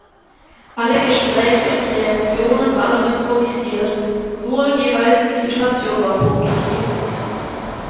Alle Gespräche und Reaktionen waren improvisiert, nur jeweils die Situation war vorgegeben.